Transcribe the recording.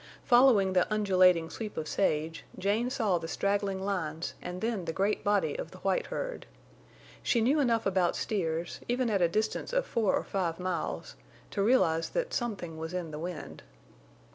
Following the undulating sweep of sage, Jane saw the straggling lines and then the great body of the white herd. She knew enough about steers, even at a distance of four or five miles, to realize that something was in the wind.